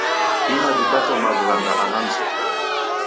Ima dipate mawughanga aha mzedu